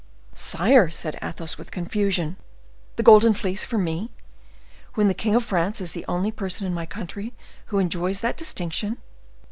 "Sire," said Athos, with confusion, "the Golden Fleece for me! when the king of France is the only person in my country who enjoys that distinction?"